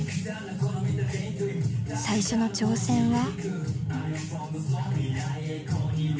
最初の挑戦は。